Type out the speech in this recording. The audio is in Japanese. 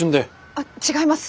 あっ違います！